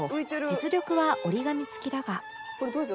実力は折り紙付きだが